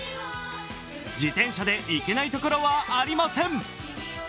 自転車で行けないところはありません。